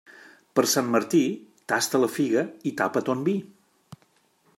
Per Sant Martí, tasta la figa i tapa ton vi.